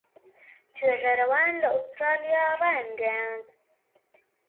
توێژەرەوان لە ئوسترالیا ڕایانگەیاند